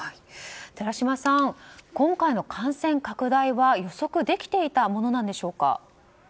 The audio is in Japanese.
寺嶋さん、今回の感染拡大は予測できていたものなんでしょうか？